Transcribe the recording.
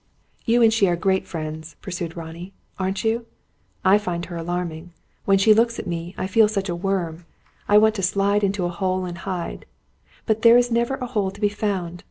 "You and she are great friends," pursued Ronnie, "aren't you? I find her alarming. When she looks at me, I feel such a worm. I want to slide into a hole and hide. But there is never a hole to be found.